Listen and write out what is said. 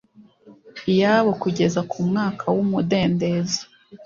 iyabo kugeza ku mwaka w umudendezo